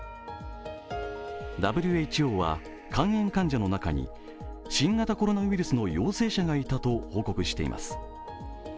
ＷＨＯは肝炎患者の中に新型コロナウイルスの陽性者がいたと報告しています。